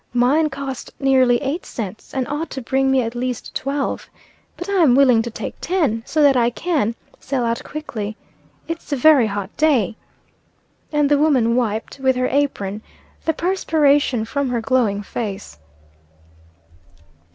"Mine cost nearly eight cents, and ought to bring me at least twelve. But I am willing to take ten, so that I can, sell out quickly. It's a very hot day." And the woman wiped, with her apron, the perspiration from her glowing face.